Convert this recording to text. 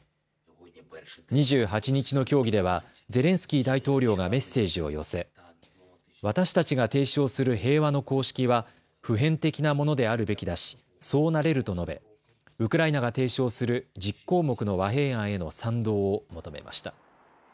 ２８日の協議ではゼレンスキー大統領がメッセージを寄せ私たちが提唱する平和の公式は普遍的なものであるべきだしそうなれると述べ、ウクライナが提唱する１０項目の和平案への賛同を求めました。